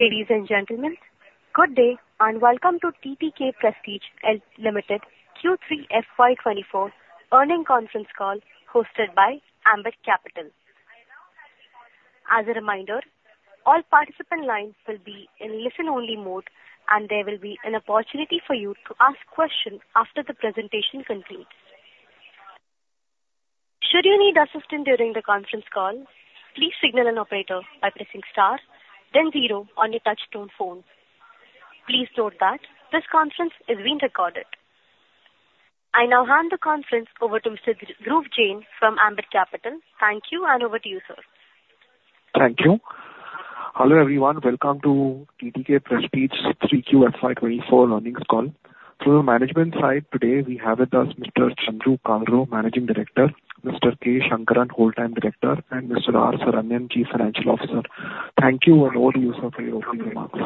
Ladies and gentlemen, good day and welcome to TTK Prestige Ltd Q3 FY 2024 Earnings Conference Call hosted by Ambit Capital. As a reminder, all participant lines will be in listen-only mode, and there will be an opportunity for you to ask questions after the presentation concludes. Should you need assistance during the conference call, please signal an operator by pressing star, then zero on your touch-tone phone. Please note that this conference is being recorded. I now hand the conference over to Mr. Dhruv Jain from Ambit Capital. Thank you, and over to you, sir. Thank you. Hello everyone, welcome to TTK Prestige 3QFY 2024 earnings call. From the management side today, we have with us Mr. Chandru Kalro, Managing Director, Mr. K. Shankaran, Whole Time Director, and Mr. R. Saranyan Chief Financial Officer. Thank you and over to you, sir, for your opening remarks.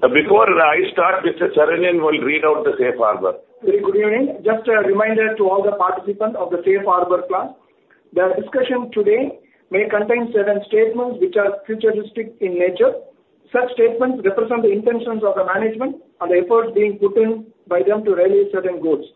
Before I start, Mr. Saranyan will read out the Safe Harbor. Very good evening. Just a reminder to all the participants of the Safe Harbor clause, the discussion today may contain certain statements which are futuristic in nature. Such statements represent the intentions of the management and the efforts being put in by them to realize certain goals.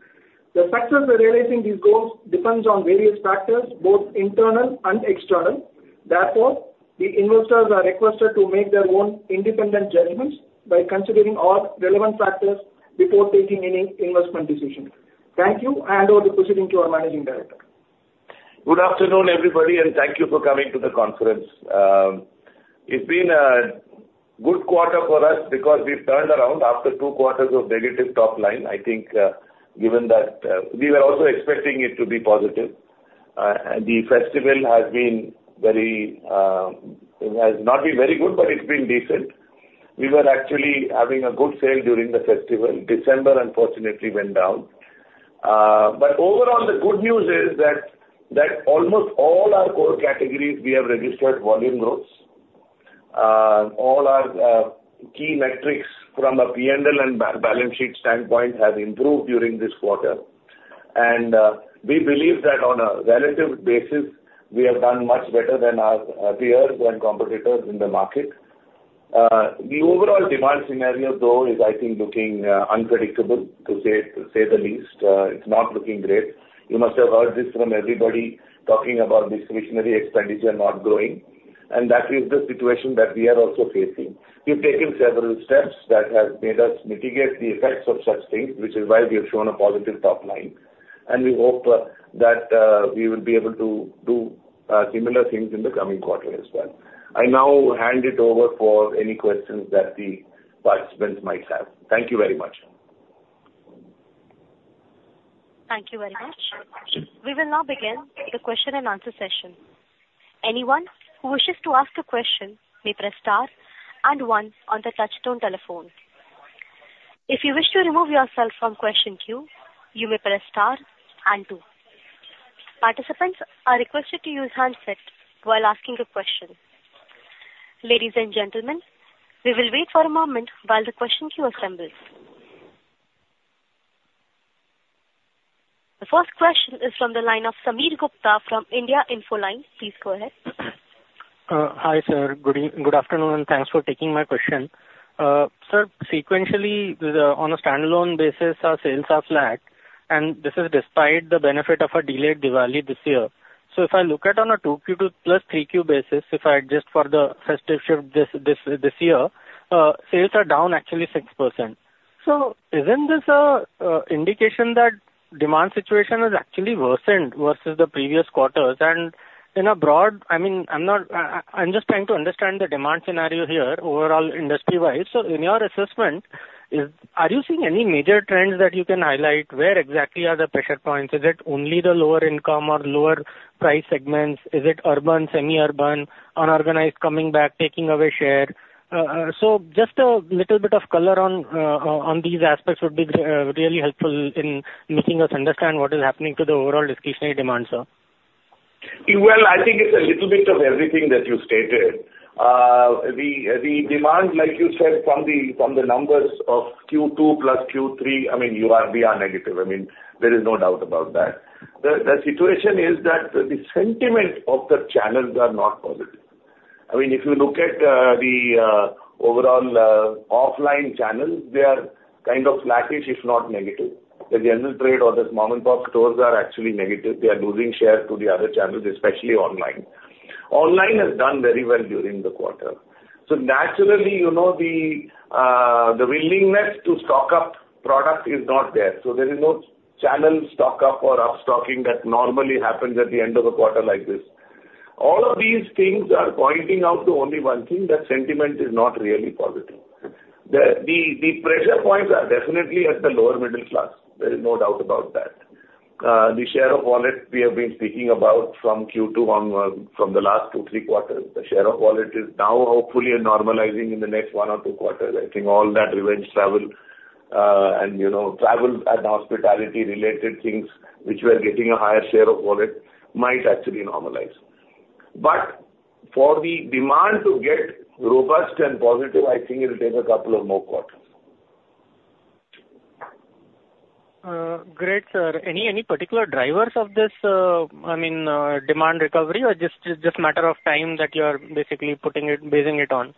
The success of realizing these goals depends on various factors, both internal and external. Therefore, the investors are requested to make their own independent judgments by considering all relevant factors before taking any investment decision. Thank you, and over to proceeding to our Managing Director. Good afternoon everybody, and thank you for coming to the conference. It's been a good quarter for us because we've turned around after two quarters of negative top line. I think given that we were also expecting it to be positive, and the festival has been very, it has not been very good, but it's been decent. We were actually having a good sale during the festival. December, unfortunately, went down. But overall, the good news is that almost all our core categories we have registered volume growth. All our key metrics from a P&L and balance sheet standpoint have improved during this quarter, and we believe that on a relative basis, we have done much better than our peers and competitors in the market. The overall demand scenario, though, is I think looking unpredictable, to say the least. It's not looking great. You must have heard this from everybody talking about this discretionary expenditure not growing, and that is the situation that we are also facing. We've taken several steps that have made us mitigate the effects of such things, which is why we have shown a positive top line, and we hope that we will be able to do similar things in the coming quarter as well. I now hand it over for any questions that the participants might have. Thank you very much. Thank you very much. We will now begin the question and answer session. Anyone who wishes to ask a question may press star and one on the touch-tone telephone. If you wish to remove yourself from question queue, you may press star and two. Participants are requested to use handset while asking a question. Ladies and gentlemen, we will wait for a moment while the question queue assembles. The first question is from the line of Sameer Gupta from India Infoline. Please go ahead. Hi sir, good afternoon, and thanks for taking my question. Sir, sequentially on a standalone basis, our sales have flat, and this is despite the benefit of a delayed Diwali this year. So if I look at on a 2Q Plus 3Q basis, if I adjust for the festive shift this year, sales are down actually 6%. So isn't this an indication that the demand situation has actually worsened versus the previous quarters? And in a broad I mean, I'm not I'm just trying to understand the demand scenario here overall industry-wise. So in your assessment, are you seeing any major trends that you can highlight? Where exactly are the pressure points? Is it only the lower income or lower price segments? Is it urban, semi-urban, unorganized coming back, taking away share? So just a little bit of color on these aspects would be really helpful in making us understand what is happening to the overall discretionary demand, sir. I think it's a little bit of everything that you stated. The demand, like you said, from the numbers of Q2 plus Q3, I mean, you are beyond negative. I mean, there is no doubt about that. The situation is that the sentiment of the channels are not positive. I mean, if you look at the overall offline channels, they are kind of flattish, if not negative. The general trade or the mom-and-pop stores are actually negative. They are losing share to the other channels, especially online. Online has done very well during the quarter. So naturally, the willingness to stock up product is not there. So there is no channel stock up or upstocking that normally happens at the end of a quarter like this. All of these things are pointing out to only one thing: that sentiment is not really positive. The pressure points are definitely at the lower middle class. There is no doubt about that. The share of wallet we have been speaking about from Q2 onward from the last two, three quarters, the share of wallet is now hopefully normalizing in the next one or two quarters. I think all that revenge travel and travel and hospitality-related things, which were getting a higher share of wallet, might actually normalize. But for the demand to get robust and positive, I think it will take a couple of more quarters. Great, sir. Any particular drivers of this, I mean, demand recovery or just a matter of time that you are basically putting it, basing it on?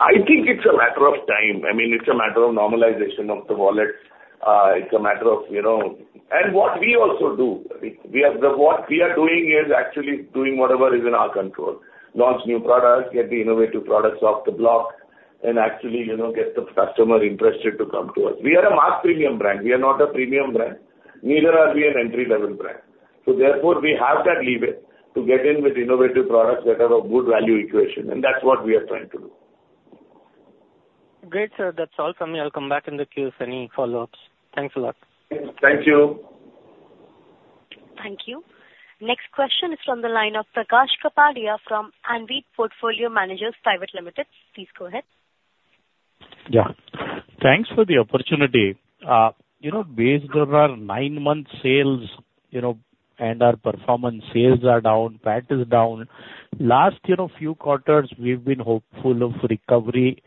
I think it's a matter of time. I mean, it's a matter of normalization of the wallet. It's a matter of, and what we also do. What we are doing is actually doing whatever is in our control: launch new products, get the innovative products off the block, and actually get the customer interested to come to us. We are a mass premium brand. We are not a premium brand, neither are we an entry-level brand. So therefore, we have that leeway to get in with innovative products that have a good value equation, and that's what we are trying to do. Great, sir. That's all from me. I'll come back in the queue if any follow-ups. Thanks a lot. Thank you. Thank you. Next question is from the line of Prakash Kapadia from Anived Portfolio Managers Private Limited. Please go ahead. Yeah. Thanks for the opportunity. Based on our nine-month sales and our performance, sales are down, PAT is down. Last few quarters, we've been hopeful of recovery,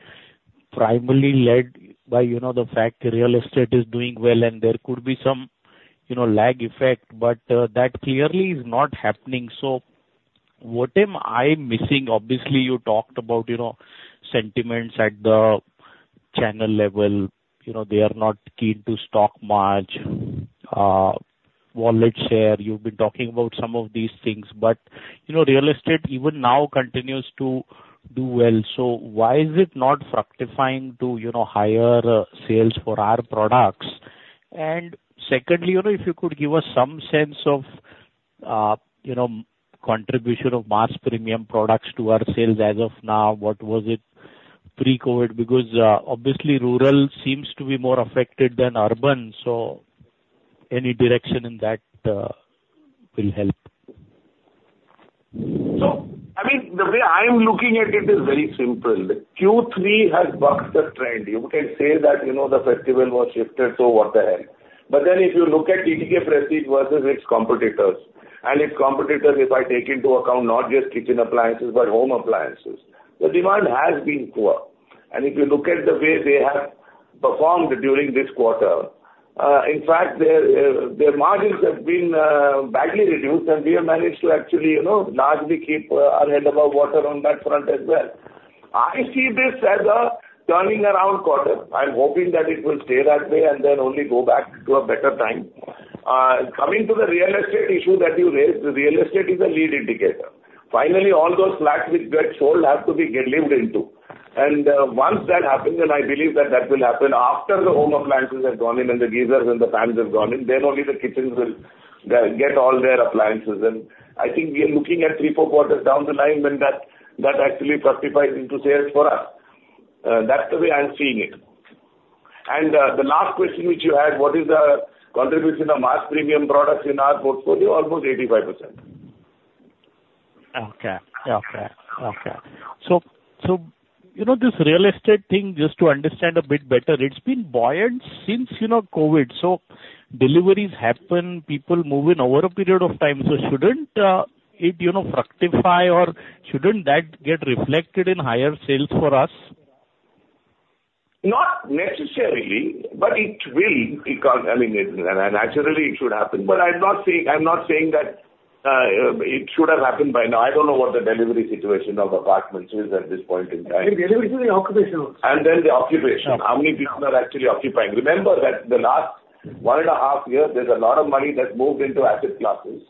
primarily led by the fact that real estate is doing well, and there could be some lag effect, but that clearly is not happening. So what am I missing? Obviously, you talked about sentiments at the channel level. They are not keen to stock much. Wallet share, you've been talking about some of these things, but real estate even now continues to do well. So why is it not fructifying to higher sales for our products? And secondly, if you could give us some sense of contribution of mass premium products to our sales as of now, what was it pre-COVID? Because obviously, rural seems to be more affected than urban. So any direction in that will help. I mean, the way I'm looking at it is very simple. Q3 has bucked the trend. You can say that the festival was shifted, so what the hell, but then if you look at TTK Prestige versus its competitors, and its competitors, if I take into account not just kitchen appliances but home appliances, the demand has been poor, and if you look at the way they have performed during this quarter, in fact, their margins have been badly reduced, and we have managed to actually largely keep our head above water on that front as well. I see this as a turning-around quarter. I'm hoping that it will stay that way and then only go back to a better time. Coming to the real estate issue that you raised, real estate is a lead indicator. Finally, all those flats which get sold have to be lived in. And once that happens, and I believe that that will happen after the home appliances have gone in and the geysers and the fans have gone in, then only the kitchens will get all their appliances. And I think we are looking at three, four quarters down the line when that actually fructifies into sales for us. That's the way I'm seeing it. And the last question which you had, what is the contribution of mass premium products in our portfolio? Almost 85%. Okay. So this real estate thing, just to understand a bit better, it's been buoyant since COVID. So deliveries happen, people move in over a period of time. So shouldn't it fructify, or shouldn't that get reflected in higher sales for us? Not necessarily, but it will. I mean, naturally, it should happen. But I'm not saying that it should have happened by now. I don't know what the delivery situation of apartments is at this point in time. Delivery is the occupation. And then the occupation. How many people are actually occupying? Remember that the last one and a half years, there's a lot of money that moved into asset classes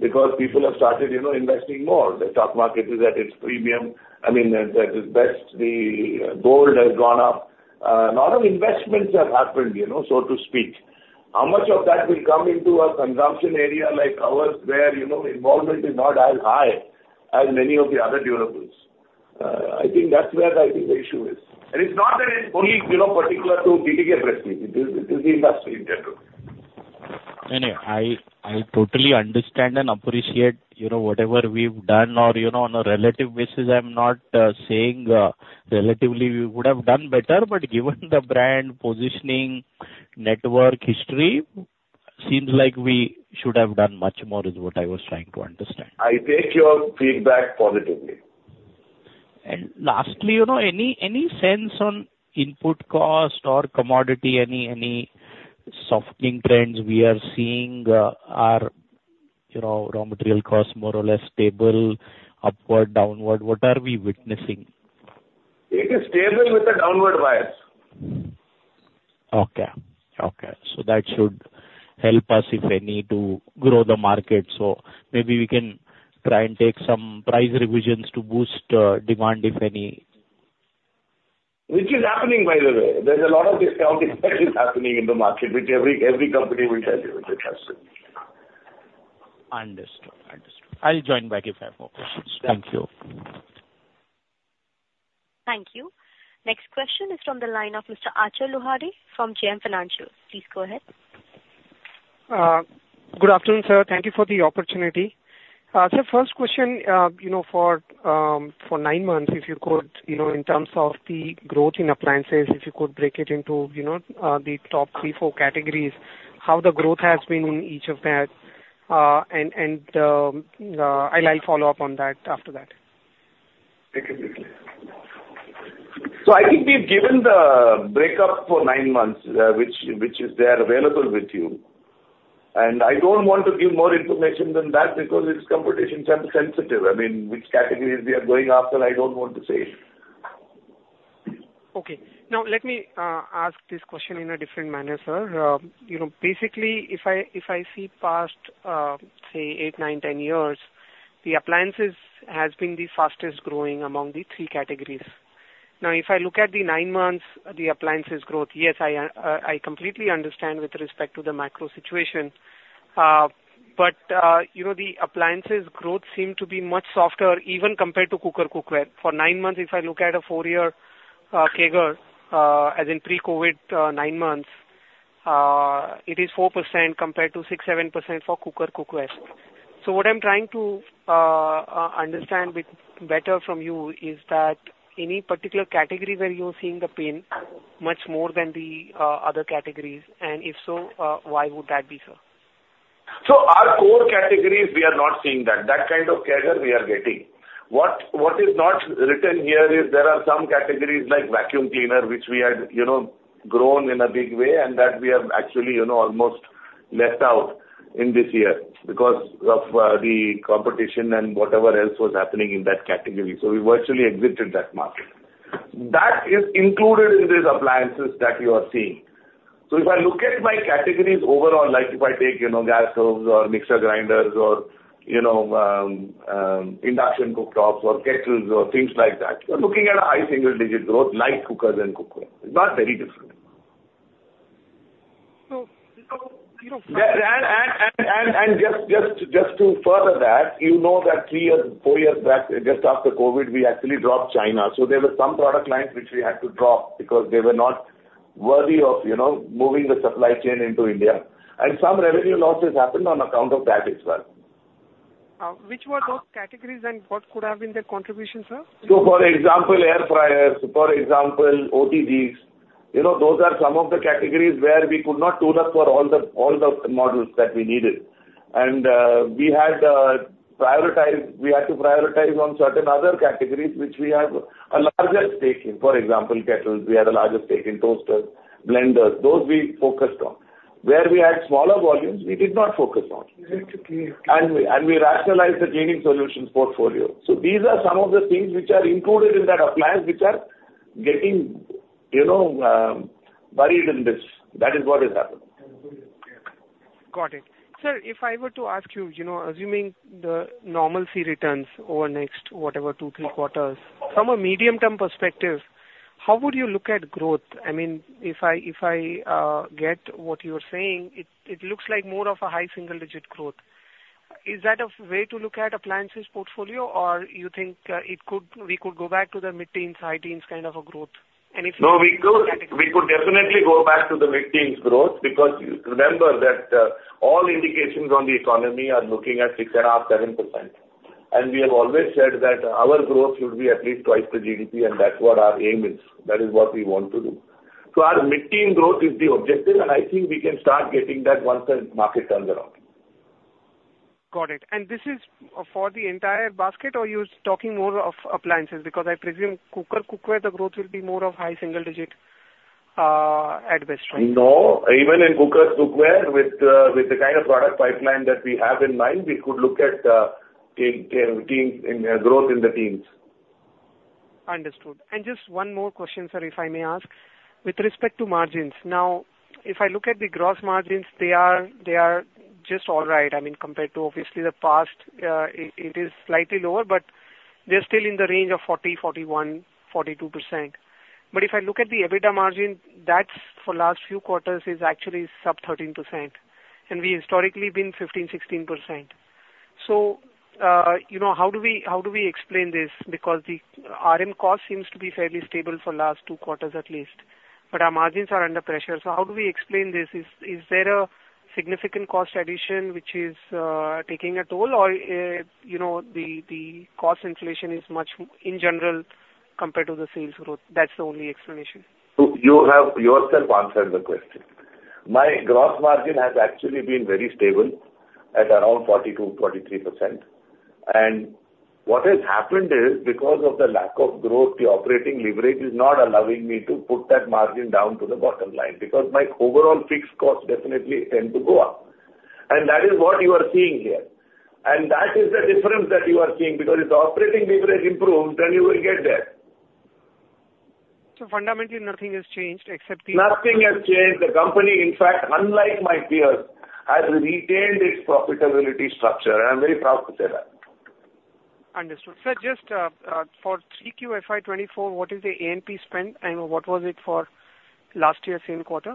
because people have started investing more. The stock market is at its premium. I mean, at its best, the gold has gone up. A lot of investments have happened, so to speak. How much of that will come into a consumption area like ours where involvement is not as high as many of the other developers? I think that's where I think the issue is. And it's not that it's only particular to TTK Prestige. It is the industry in general. Anyway, I totally understand and appreciate whatever we've done. On a relative basis, I'm not saying relatively we would have done better, but given the brand positioning, network history, it seems like we should have done much more, is what I was trying to understand. I take your feedback positively. And lastly, any sense on input cost or commodity? Any softening trends we are seeing? Are raw material costs more or less stable, upward, downward? What are we witnessing? It is stable with the downward bias. Okay. So that should help us, if any, to grow the market. So maybe we can try and take some price revisions to boost demand, if any. Which is happening, by the way. There's a lot of discounting that is happening in the market, which every company will tell you in the question. Understood. Understood. I'll join back if I have more questions. Thank you. Thank you. Next question is from the line of Mr. Achal Lohade from JM Financial. Please go ahead. Good afternoon, sir. Thank you for the opportunity. Sir, first question, for nine months, if you could, in terms of the growth in appliances, if you could break it into the top three, four categories, how the growth has been in each of that, and I'll follow up on that after that. So, I think we've given the break-up for nine months, which is readily available with you. And I don't want to give more information than that because it's commercially sensitive. I mean, which categories we are going after, I don't want to say. Okay. Now, let me ask this question in a different manner, sir. Basically, if I see past, say, eight, nine, ten years, the appliances have been the fastest growing among the three categories. Now, if I look at the nine months, the appliances growth, yes, I completely understand with respect to the macro situation. But the appliances growth seemed to be much softer, even compared to cooker cookware. For nine months, if I look at a four-year CAGR, as in pre-COVID nine months, it is 4% compared to 6%-7% for cooker cookware. So what I'm trying to understand better from you is that any particular category where you're seeing the pain much more than the other categories? And if so, why would that be, sir? So, our core categories, we are not seeing that. That kind of CAGR we are getting. What is not written here is there are some categories like vacuum cleaner, which we had grown in a big way, and that we have actually almost left out in this year because of the competition and whatever else was happening in that category. So, we virtually exited that market. That is included in these appliances that you are seeing. So, if I look at my categories overall, like if I take gas stoves or mixer grinders or induction cooktops or kettles or things like that, you're looking at a high single-digit growth like cookers and cookware. It's not very different, and just to further that, you know that three years, four years back, just after COVID, we actually dropped China. There were some product lines which we had to drop because they were not worthy of moving the supply chain into India. Some revenue losses happened on account of that as well. Which were those categories and what could have been the contribution, sir? So, for example, air fryers, for example, OTGs, those are some of the categories where we could not tune up for all the models that we needed. And we had to prioritize on certain other categories which we have a larger stake in. For example, kettles, we had a larger stake in toasters, blenders. Those we focused on. Where we had smaller volumes, we did not focus on. And we rationalized the cleaning solutions portfolio. So these are some of the things which are included in that appliance which are getting buried in this. That is what has happened. Got it. Sir, if I were to ask you, assuming the normalcy returns over next whatever, two, three quarters, from a medium-term perspective, how would you look at growth? I mean, if I get what you're saying, it looks like more of a high single-digit growth. Is that a way to look at appliances portfolio, or you think we could go back to the mid-teens, high-teens kind of a growth? And if you look at the categories. No, we could definitely go back to the mid-teens growth because remember that all indications on the economy are looking at 6.5%-7%, and we have always said that our growth should be at least twice the GDP, and that's what our aim is. That is what we want to do, so our mid-teens growth is the objective, and I think we can start getting that once the market turns around. Got it. And this is for the entire basket, or you're talking more of appliances? Because I presume cooker cookware, the growth will be more of high single-digit at best, right? No. Even in cooker cookware, with the kind of product pipeline that we have in mind, we could look at growth in the teens. Understood. And just one more question, sir, if I may ask. With respect to margins, now, if I look at the gross margins, they are just all right. I mean, compared to obviously the past, it is slightly lower, but they're still in the range of 40%-42%. But if I look at the EBITDA margin, that's for last few quarters is actually sub 13%. And we historically been 15%-16%. So how do we explain this? Because the RM cost seems to be fairly stable for last two quarters at least, but our margins are under pressure. So how do we explain this? Is there a significant cost addition which is taking a toll, or the cost inflation is much in general compared to the sales growth? That's the only explanation. You have yourself answered the question. My gross margin has actually been very stable at around 42%-43%. And what has happened is because of the lack of growth, the operating leverage is not allowing me to put that margin down to the bottom line because my overall fixed costs definitely tend to go up. And that is what you are seeing here. And that is the difference that you are seeing because if the operating leverage improves, then you will get there. So fundamentally, nothing has changed except the. Nothing has changed. The company, in fact, unlike my peers, has retained its profitability structure, and I'm very proud to say that. Understood. Sir, just for 3Q FY 2024, what is the A&P spend, and what was it for last year's same quarter?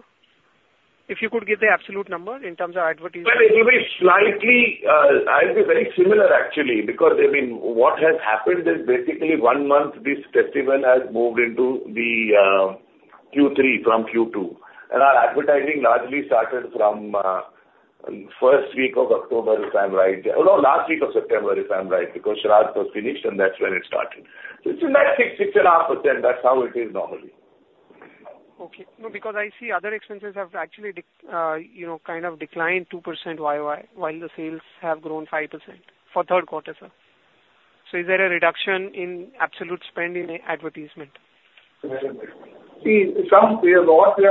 If you could give the absolute number in terms of advertising? It will be slightly. It will be very similar, actually, because what has happened is basically one month this festival has moved into Q3 from Q2. And our advertising largely started from first week of October, if I'm right. No, last week of September, if I'm right, because Shradh was finished, and that's when it started. So it's in that 6-6.5%. That's how it is normally. Okay. No, because I see other expenses have actually kind of declined 2% while the sales have grown 5% for third quarter, sir. So is there a reduction in absolute spend in advertisement? See, something we have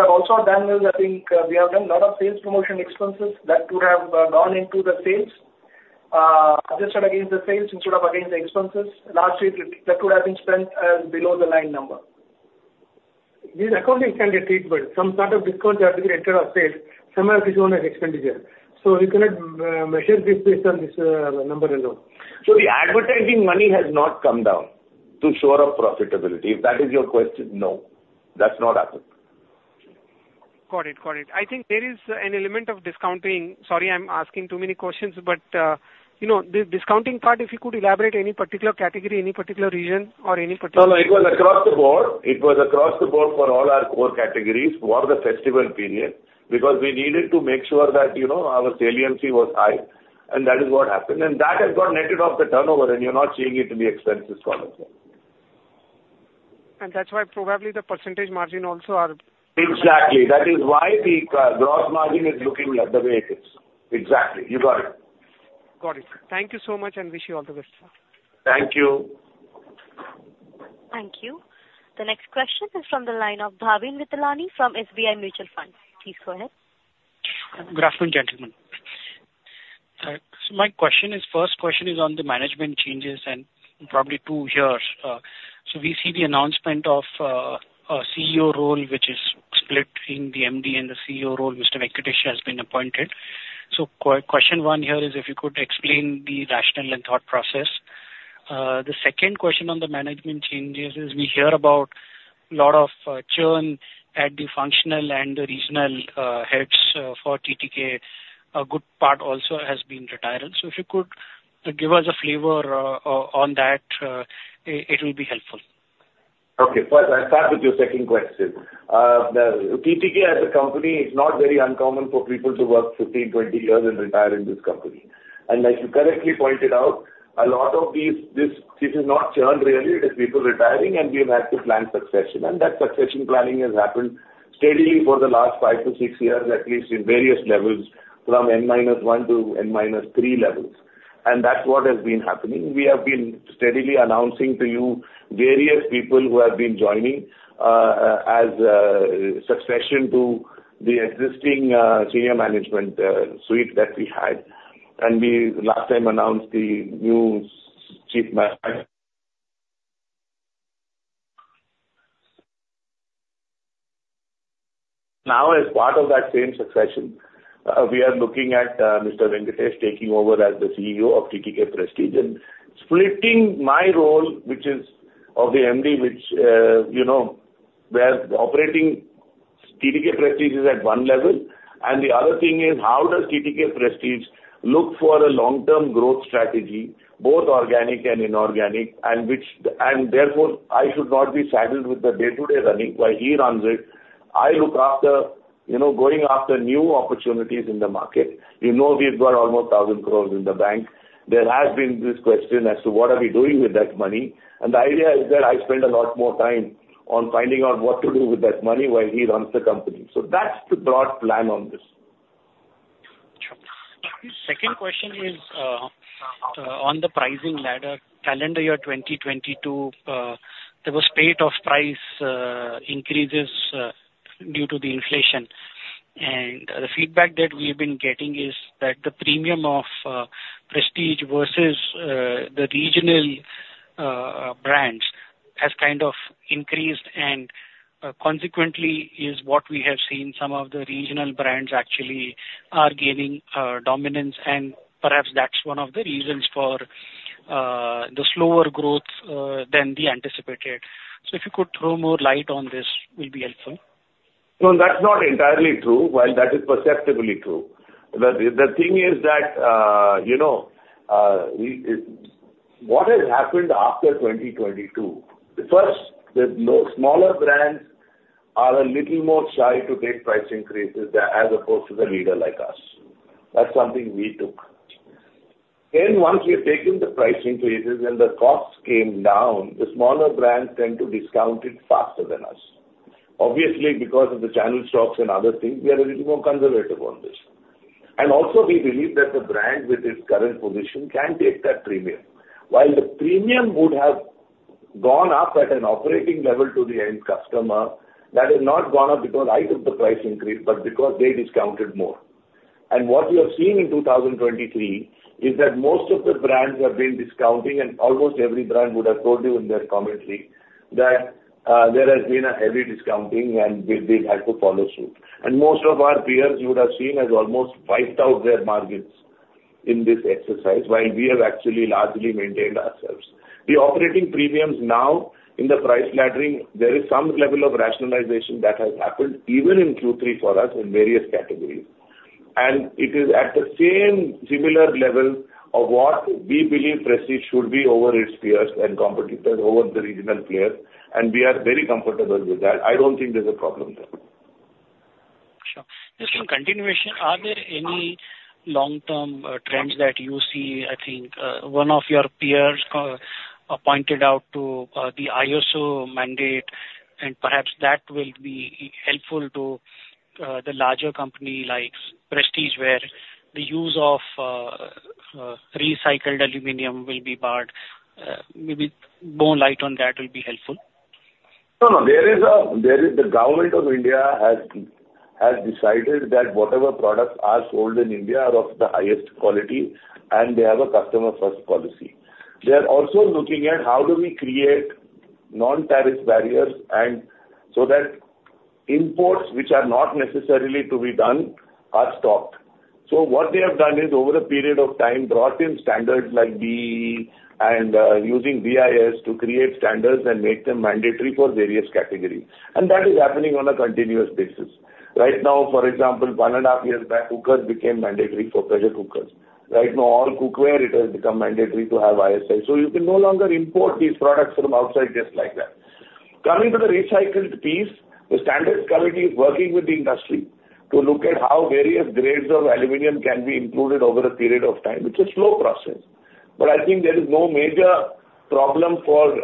also done is, I think, we have done a lot of sales promotion expenses that could have gone into the sales, adjusted against the sales instead of against the expenses. Last year, that would have been spent as below-the-line number. This accounting can be treated well. Some sort of discount has been entered as sales. Somewhere this one is expenditure. So we cannot measure this based on this number alone. So the advertising money has not come down to shore up profitability. If that is your question, no. That's not happened. Got it. Got it. I think there is an element of discounting. Sorry, I'm asking too many questions, but the discounting part, if you could elaborate any particular category, any particular region, or any particular. No, no. It was across the board. It was across the board for all our core categories for the festival period because we needed to make sure that our saliency was high. And that is what happened. And that has got netted off the turnover, and you're not seeing it in the expenses column. And that's why probably the percentage margin also are. Exactly. That is why the gross margin is looking the way it is. Exactly. You got it. Got it. Thank you so much, and wish you all the best, sir. Thank you. Thank you. The next question is from the line of Bhavin Vithlani from SBI Mutual Fund. Please go ahead. Good afternoon, gentlemen. So my question is, first question is on the management changes and probably two here. So we see the announcement of a CEO role, which is split between the MD and the CEO role. Mr. Venkatesh has been appointed. So question one here is if you could explain the rationale and thought process. The second question on the management changes is we hear about a lot of churn at the functional and the regional heads for TTK. A good part also has been retiral. So if you could give us a flavor on that, it will be helpful. Okay. Well, I'll start with your second question. TTK as a company is not very uncommon for people to work 15, 20 years and retire in this company. And as you correctly pointed out, a lot of this is not churn really. It is people retiring, and we have had to plan succession. And that succession planning has happened steadily for the last five to six years, at least in various levels from N-1 to N-3 levels. And that's what has been happening. We have been steadily announcing to you various people who have been joining as succession to the existing senior management suite that we had. And we last time announced the new chief manager. Now, as part of that same succession, we are looking at Mr. Venkatesh taking over as the CEO of TTK Prestige and splitting my role, which is of the MD, which, where operating TTK Prestige, is at one level. The other thing is how does TTK Prestige look for a long-term growth strategy, both organic and inorganic, and therefore I should not be saddled with the day-to-day running. While he runs it, I look after going after new opportunities in the market. You know we've got almost 1,000 crores in the bank. There has been this question as to what are we doing with that money. The idea is that I spend a lot more time on finding out what to do with that money while he runs the company. That's the broad plan on this. Sure. Second question is on the pricing ladder. Calendar year 2022, there was paid-off price increases due to the inflation, and the feedback that we have been getting is that the premium of Prestige versus the regional brands has kind of increased. Consequently, what we have seen is some of the regional brands actually are gaining dominance, and perhaps that's one of the reasons for the slower growth than the anticipated, so if you could throw more light on this, it will be helpful. No, that's not entirely true, while that is perceptibly true. The thing is that what has happened after 2022, first, the smaller brands are a little more shy to take price increases as opposed to the leader like us. That's something we took. Then once we have taken the price increases and the costs came down, the smaller brands tend to discount it faster than us. Obviously, because of the channel stocks and other things, we are a little more conservative on this. And also, we believe that the brand with its current position can take that premium. While the premium would have gone up at an operating level to the end customer, that has not gone up because either of the price increase, but because they discounted more. And what we have seen in 2023 is that most of the brands have been discounting, and almost every brand would have told you in their commentary that there has been a heavy discounting, and they've had to follow suit. And most of our peers you would have seen have almost wiped out their margins in this exercise, while we have actually largely maintained ourselves. The operating premiums now in the price laddering, there is some level of rationalization that has happened even in Q3 for us in various categories. And it is at the same similar level of what we believe Prestige should be over its peers and competitors over the regional players. And we are very comfortable with that. I don't think there's a problem there. Sure. Just in continuation, are there any long-term trends that you see? I think one of your peers pointed out to the ISO mandate, and perhaps that will be helpful to the larger company like Prestige, where the use of recycled aluminum will be barred. Maybe more light on that will be helpful. No, no. The government of India has decided that whatever products are sold in India are of the highest quality, and they have a customer-first policy. They are also looking at how do we create non-tariff barriers so that imports, which are not necessarily to be done, are stopped. So what they have done is, over a period of time, brought in standards like BEE and using BIS to create standards and make them mandatory for various categories. And that is happening on a continuous basis. Right now, for example, one and a half years back, cookers became mandatory for pressure cookers. Right now, all cookware, it has become mandatory to have ISI. So you can no longer import these products from outside just like that. Coming to the recycled piece, the standard committee is working with the industry to look at how various grades of aluminum can be included over a period of time, which is a slow process. But I think there is no major problem for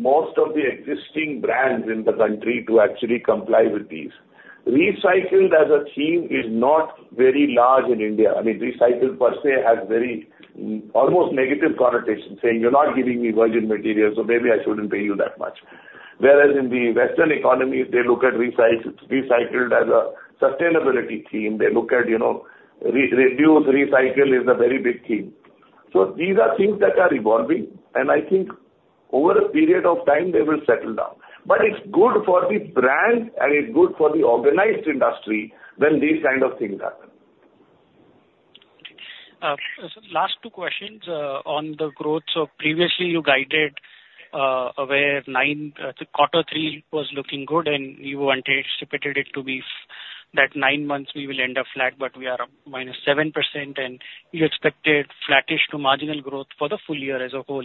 most of the existing brands in the country to actually comply with these. Recycled as a theme is not very large in India. I mean, recycled per se has very almost negative connotation, saying, "You're not giving me virgin materials, so maybe I shouldn't pay you that much." Whereas in the Western economy, they look at recycled as a sustainability theme. They look at reduce recycle is a very big theme. So these are things that are evolving, and I think over a period of time, they will settle down. But it's good for the brand, and it's good for the organized industry when these kind of things happen. Last two questions on the growth. So previously, you guided where quarter three was looking good, and you wanted to pivot it to be that nine months we will end up flat, but we are minus 7%, and you expected flattish to marginal growth for the full year as a whole.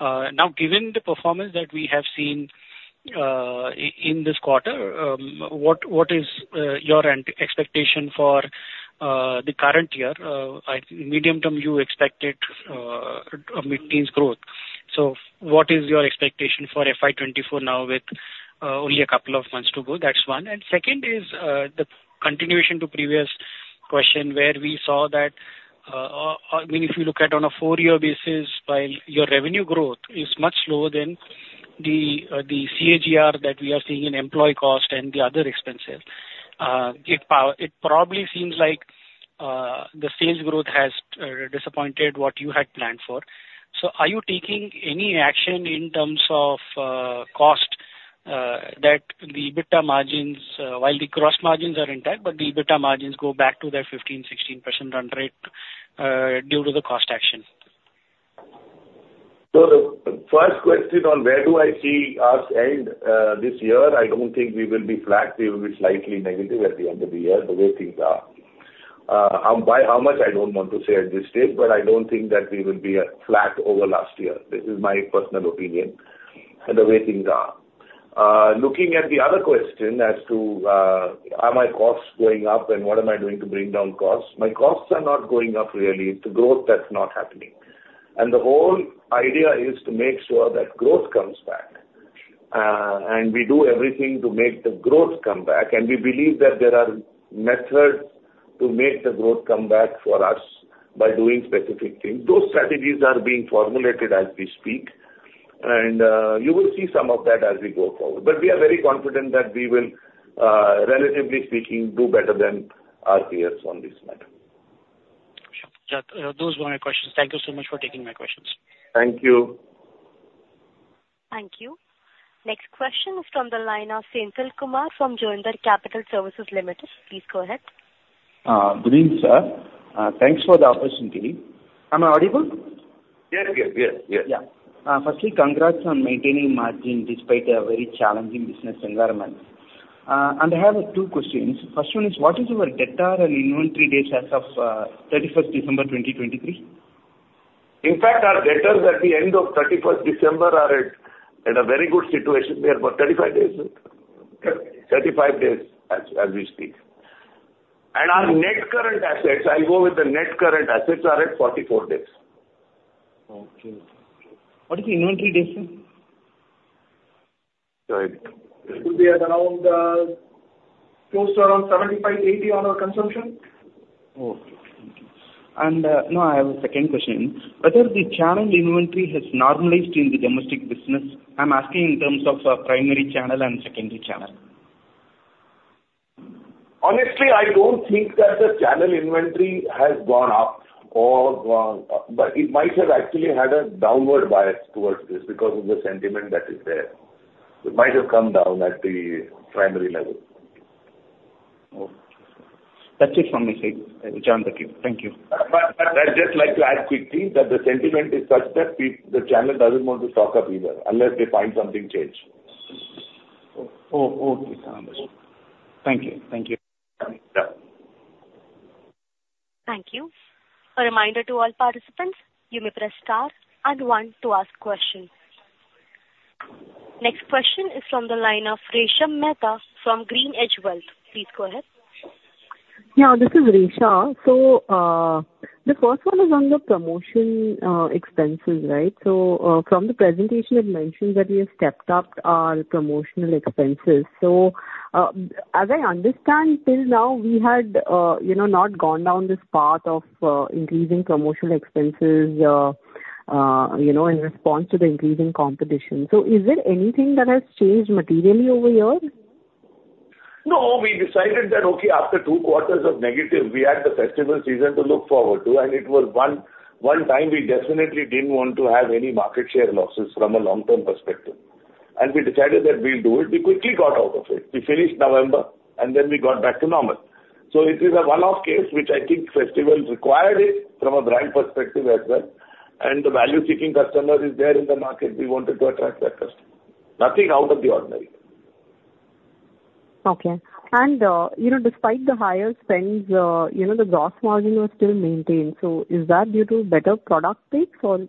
Now, given the performance that we have seen in this quarter, what is your expectation for the current year? Medium term, you expected a mid-teens growth. So what is your expectation for FY 2024 now with only a couple of months to go? That's one. And second is the continuation to previous question where we saw that, I mean, if you look at on a four-year basis, while your revenue growth is much slower than the CAGR that we are seeing in employee cost and the other expenses, it probably seems like the sales growth has disappointed what you had planned for. So are you taking any action in terms of cost that the EBITDA margins, while the gross margins are intact, but the EBITDA margins go back to their 15%-16% run rate due to the cost action? The first question is on where I see us ending this year. I don't think we will be flat. We will be slightly negative at the end of the year, the way things are. By how much, I don't want to say at this stage, but I don't think that we will be flat over last year. This is my personal opinion and the way things are. Looking at the other question as to, "Are my costs going up, and what am I doing to bring down costs?" My costs are not going up really. It's the growth that's not happening. The whole idea is to make sure that growth comes back. We do everything to make the growth come back. We believe that there are methods to make the growth come back for us by doing specific things. Those strategies are being formulated as we speak. And you will see some of that as we go forward. But we are very confident that we will, relatively speaking, do better than our peers on this matter. Sure. Those were my questions. Thank you so much for taking my questions. Thank you. Thank you. Next question is from the line of Senthilkumar from Joindre Capital Services Limited. Please go ahead. Green, sir. Thanks for the opportunity. Am I audible? Yes, yes, yes, yes. Yeah. Firstly, congrats on maintaining margin despite a very challenging business environment. And I have two questions. First one is, what is your debtor and inventory days as of 31st December 2023? In fact, our debtors at the end of 31st December are at a very good situation. They are about 35 days. 35 days as we speak. And our net current assets, I'll go with the net current assets, are at 44 days. Okay. What is the inventory date, sir? Sorry. It would be around close to around 75-80 on our consumption. Okay. Thank you. And now I have a second question. Whether the channel inventory has normalized in the domestic business? I'm asking in terms of primary channel and secondary channel. Honestly, I don't think that the channel inventory has gone up or gone, but it might have actually had a downward bias towards this because of the sentiment that is there. It might have come down at the primary level. Okay. That's it from my side. John, thank you. I'd just like to add quickly that the sentiment is such that the channel doesn't want to stock up either unless they find something changed. Okay. Thank you. Thank you. Thank you. A reminder to all participants, you may press star and one to ask questions. Next question is from the line of Resha Mehta from GreenEdge Wealth. Please go ahead. Yeah, this is Resha. So the first one is on the promotion expenses, right? So as I understand, till now, we had not gone down this path of increasing promotional expenses in response to the increasing competition. So is there anything that has changed materially over the years? No, we decided that, okay, after two quarters of negative, we had the festival season to look forward to. And it was one time we definitely didn't want to have any market share losses from a long-term perspective. And we decided that we'll do it. We quickly got out of it. We finished November, and then we got back to normal. So it is a one-off case, which I think festival required it from a brand perspective as well. And the value-seeking customer is there in the market. We wanted to attract that customer. Nothing out of the ordinary. Okay. And despite the higher spends, the gross margin was still maintained. So is that due to better product picks or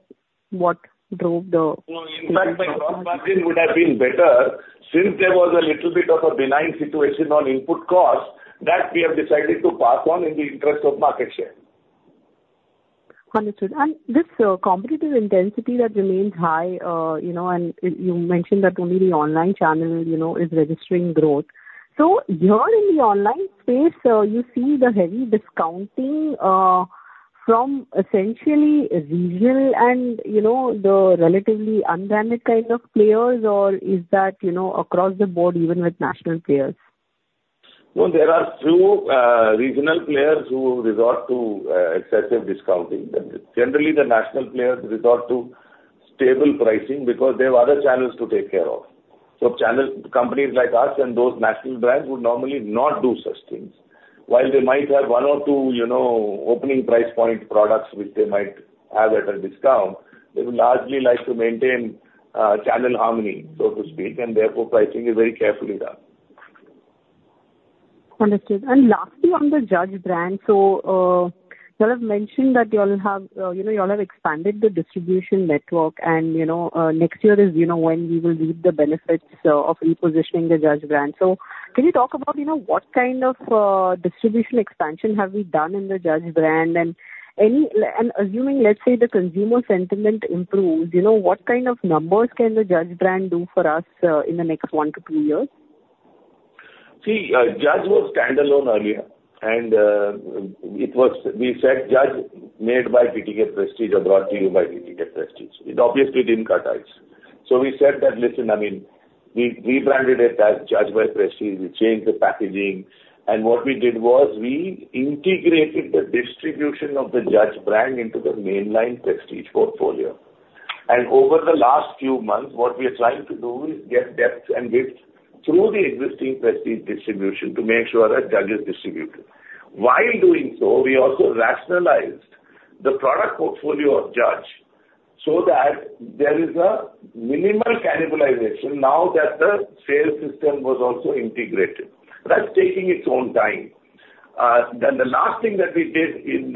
what drove the? In fact, my gross margin would have been better since there was a little bit of a benign situation on input costs that we have decided to pass on in the interest of market share. Understood. And this competitive intensity that remains high, and you mentioned that only the online channel is registering growth. So here in the online space, you see the heavy discounting from essentially regional and the relatively unbranded kind of players, or is that across the board even with national players? No, there are few regional players who resort to excessive discounting. Generally, the national players resort to stable pricing because they have other channels to take care of. So companies like us and those national brands would normally not do such things. While they might have one or two opening price point products which they might have at a discount, they would largely like to maintain channel harmony, so to speak, and therefore pricing is very carefully done. Understood. And lastly, on the Judge brand, so you all have mentioned that you all have expanded the distribution network, and next year is when we will reap the benefits of repositioning the Judge brand. So can you talk about what kind of distribution expansion have we done in the Judge brand? And assuming, let's say, the consumer sentiment improves, what kind of numbers can the Judge brand do for us in the next one to two years? See, Judge was standalone earlier, and we said, "Judge made by TTK Prestige or brought to you by TTK Prestige." It obviously didn't cut ice. So we said that, "Listen, I mean, we rebranded it as Judge by Prestige. We changed the packaging." And what we did was we integrated the distribution of the Judge brand into the mainline Prestige portfolio. And over the last few months, what we are trying to do is get depth through the existing Prestige distribution to make sure that Judge is distributed. While doing so, we also rationalized the product portfolio of Judge so that there is a minimal cannibalization now that the sales system was also integrated. That's taking its own time. Then the last thing that we did in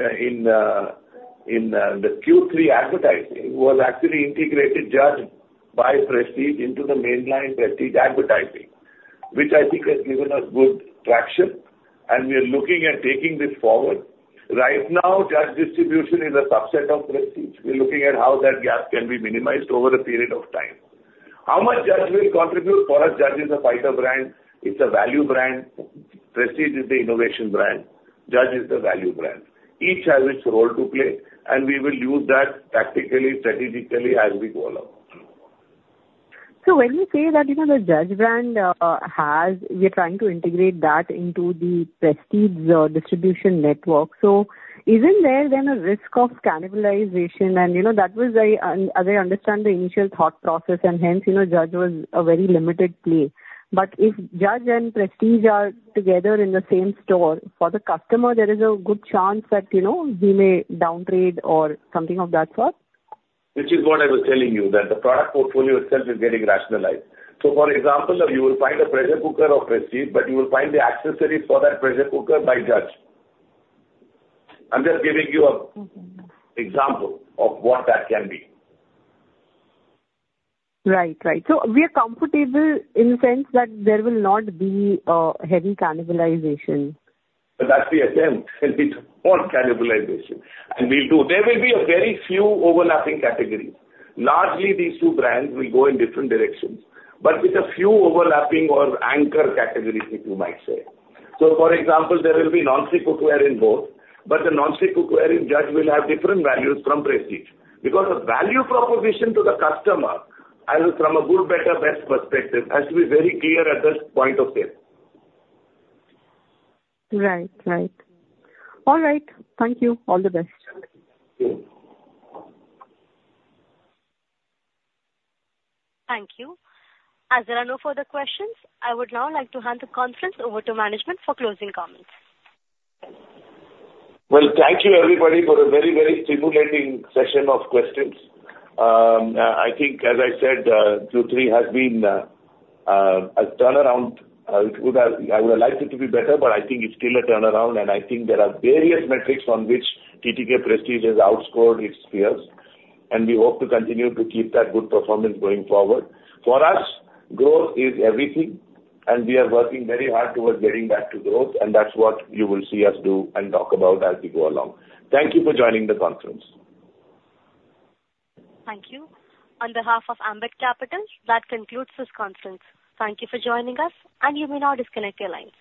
the Q3 advertising was actually integrated Judge by Prestige into the mainline Prestige advertising, which I think has given us good traction. And we are looking at taking this forward. Right now, Judge distribution is a subset of Prestige. We're looking at how that gap can be minimized over a period of time. How much Judge will contribute for us? Judge is a fighter brand. It's a value brand. Prestige is the innovation brand. Judge is the value brand. Each has its role to play, and we will use that tactically, strategically as we go along. So when you say that the Judge brand has, we are trying to integrate that into the Prestige distribution network. So isn't there then a risk of cannibalization? And that was, as I understand, the initial thought process, and hence Judge was a very limited play. But if Judge and Prestige are together in the same store, for the customer, there is a good chance that we may downgrade or something of that sort? Which is what I was telling you, that the product portfolio itself is getting rationalized. So for example, you will find a pressure cooker of Prestige, but you will find the accessories for that pressure cooker by Judge. I'm just giving you an example of what that can be. Right, right. So we are comfortable in the sense that there will not be heavy cannibalization. But that's the attempt. We don't want cannibalization. And we'll do. There will be a very few overlapping categories. Largely, these two brands will go in different directions, but with a few overlapping or anchor categories, if you might say. So for example, there will be non-stick cookware in both, but the non-stick cookware in Judge will have different values from Prestige because the value proposition to the customer, as from a good, better, best perspective, has to be very clear at this point of sale. Right, right. All right. Thank you. All the best. Thank you. Thank you. As there are no further questions, I would now like to hand the conference over to management for closing comments. Thank you, everybody, for a very, very stimulating session of questions. I think, as I said, Q3 has been a turnaround. I would have liked it to be better, but I think it's still a turnaround. And I think there are various metrics on which TTK Prestige has outscored its peers, and we hope to continue to keep that good performance going forward. For us, growth is everything, and we are working very hard towards getting back to growth, and that's what you will see us do and talk about as we go along. Thank you for joining the conference. Thank you. On behalf of Ambit Capital, that concludes this conference. Thank you for joining us, and you may now disconnect your lines.